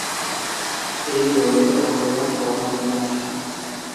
এই গ্রন্থের অপর নাম "কর্ম মীমাংসা"।